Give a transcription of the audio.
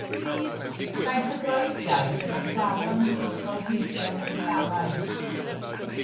Daeth y Groegiaid yn athrawon i ysgolheigion Eidalaidd.